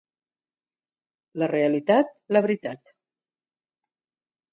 La realitat, la veritat.